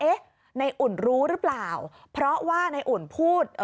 เอ๊ะนายอุ่นรู้รึเปล่าเพราะว่านายอุ่นพูด